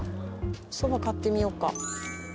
そば買ってみようか。